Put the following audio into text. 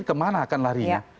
kemana akan larinya